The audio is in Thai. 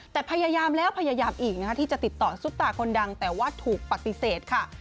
แต่พยายามแล้วพยายามอีกนะคะที่จะติดต่อซุปตาคนดังแต่ว่าถูกปฏิเสธค่ะ